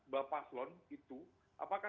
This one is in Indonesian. bapak slon itu apakah